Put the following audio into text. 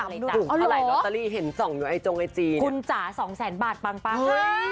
เอามายำดูเอาเหรอรอเตอรี่เห็นส่องอยู่ไอ้จงไอจีนคุณจ๋าสองแสนบาทปั้งปั้ง